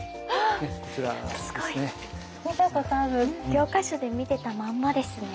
教科書で見てたまんまですね。